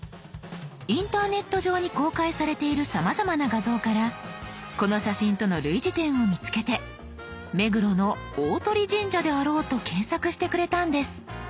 インターネット上に公開されているさまざまな画像からこの写真との類似点を見つけて目黒の大鳥神社であろうと検索してくれたんです。